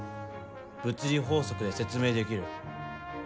物理法則で説明できる。